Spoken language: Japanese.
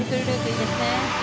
いいですね。